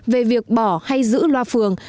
về việc bỏ hay giữ loa phường